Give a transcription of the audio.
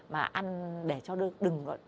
mà ăn để cho đừng